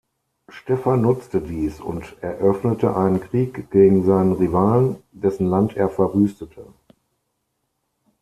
Stephan nutzte dies und eröffnete einen Krieg gegen seinen Rivalen, dessen Land er verwüstete.